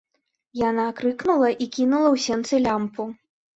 Яна крыкнула і кінула ў сенцы лямпу.